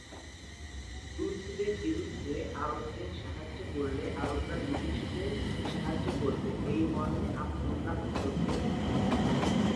তুর্কিদের বিরুদ্ধে আরবদের সাহায্য করলে আরবরা ব্রিটিশদের সাহায্য করবে এই মর্মে আবদুল্লাহ উত্তর দেন।